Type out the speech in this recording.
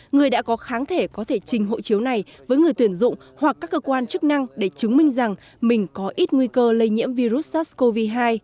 người đã có kháng thể có thể trình hộ chiếu này với người tuyển dụng hoặc các cơ quan chức năng để chứng minh rằng mình có ít nguy cơ lây nhiễm virus sars cov hai